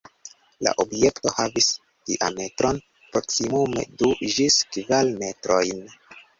La objekto havis diametron proksimume du ĝis kvar metrojn.